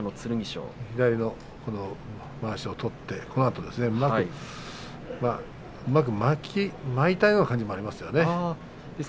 左のまわしを取ってうまく巻いたような感じもあります。